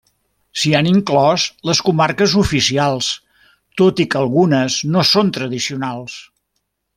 S'hi han inclòs les comarques oficials, tot i que algunes no són tradicionals.